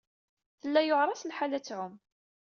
Tella yuɛer-as lḥal ad tɛumm.